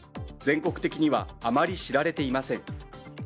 全国的にはあまり知られていません。